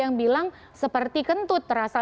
yang bilang seperti kentut terasa